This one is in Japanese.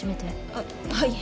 あっはい。